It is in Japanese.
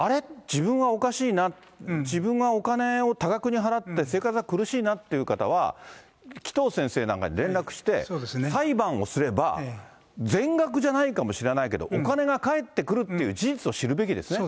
自分はおかしいな、自分がお金を多額に払って生活が苦しいなっていう方は、紀藤先生なんかに連絡して、裁判をすれば、全額じゃないかもしれないけど、お金が返ってくるという事実を知るべきですね。